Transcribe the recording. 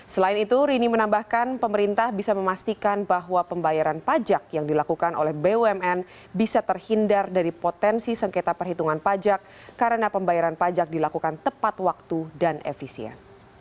selain itu rini menambahkan pemerintah bisa memastikan bahwa pembayaran pajak yang dilakukan oleh bumn bisa terhindar dari potensi sengketa perhitungan pajak karena pembayaran pajak dilakukan tepat waktu dan efisien